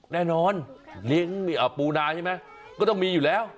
แน่นอนเลี้ยงปูนาใช่ไหมก็ต้องมีอยู่แล้ว